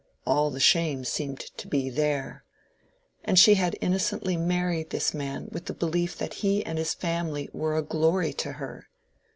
All the shame seemed to be there. And she had innocently married this man with the belief that he and his family were a glory to her!